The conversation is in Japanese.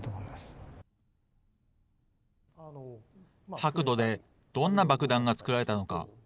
白土でどんな爆弾が作られたのか。